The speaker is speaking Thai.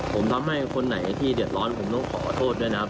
ผมทำให้คนไหนที่เดือดร้อนผมต้องขอโทษด้วยนะครับ